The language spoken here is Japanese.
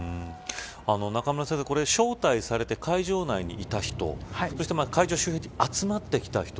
中村先生招待されて会場内にいた人そして会場周辺に集まってきた人